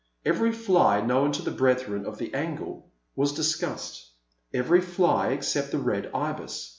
Every fly known to the brethren of the angle was discussed— every fly except the Red Ibis.